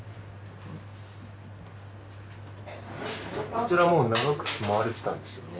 こちらはもう長く住まわれてたんですよね？